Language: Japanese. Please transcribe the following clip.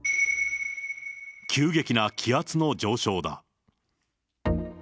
急激な気圧の上昇だ。